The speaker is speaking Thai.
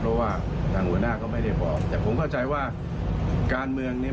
เพราะว่าทางหัวหน้าก็ไม่ได้บอกแต่ผมเข้าใจว่าการเมืองเนี่ย